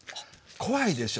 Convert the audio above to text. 怖いでしょ。